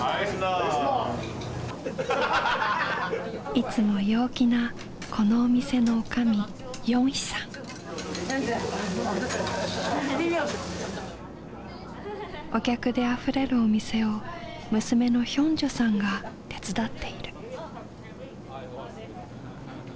いつも陽気なこのお店のおかみお客であふれるお店を娘のヒョンジュさんが手伝っている。